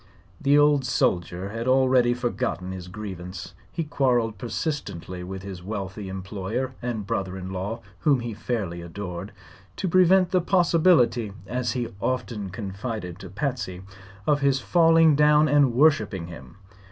The old soldier had already forgotten his grievance. He quarreled persistently with his wealthy employer and brother in law whom he fairly adored to prevent the possibility (as he often confided to Patsy) of his falling down and worshiping him.